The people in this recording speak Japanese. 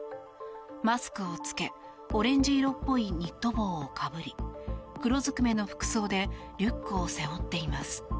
マスクを着け、オレンジ色っぽいニット帽をかぶり黒ずくめの服装でリュックを背負っています。